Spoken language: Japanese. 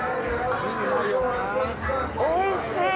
おいしい！